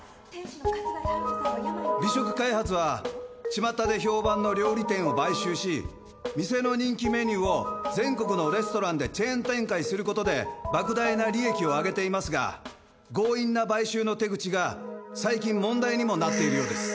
美食開発は巷で評判の料理店を買収し店の人気メニューを全国のレストランでチェーン展開する事で莫大な利益を上げていますが強引な買収の手口が最近問題にもなっているようです。